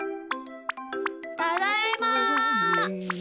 ただいま！